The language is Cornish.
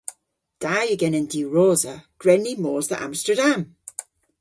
Da yw genen diwrosa. Gwren ni mos dhe Amsterdam!